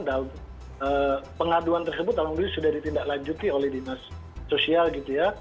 dan pengaduan tersebut dalam diri sudah ditindaklanjuti oleh dinas sosial gitu ya